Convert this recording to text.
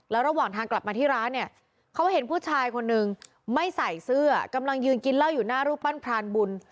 แล้วระหว่างทางกลับมาที่ร้านเนี่ยเขาเห็นผู้ชายคนนึงไม่ใส่เสื้อกำลังยืนกินเหล้าอยู่หน้ารูปปั้นพรานบุญ